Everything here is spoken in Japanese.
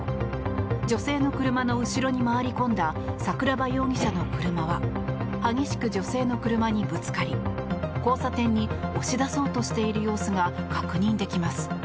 女性の車の後ろに回り込んだ桜庭容疑者の車は激しく女性の車にぶつかり交差点に押し出そうとしている様子が確認できます。